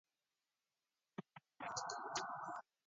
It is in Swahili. Bila ya kujua nani atafuatia